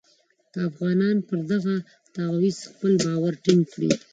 که افغانان پر دغه تعویض خپل باور ټینګ کړي.